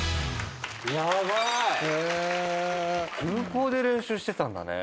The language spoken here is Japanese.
空港で練習してたんだね。